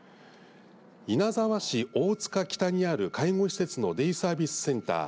稲沢市大塚北にある介護施設のデイサービスセンター